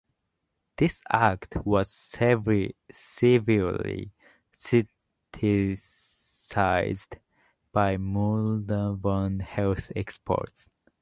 This act was severely criticized by Moldovan health experts.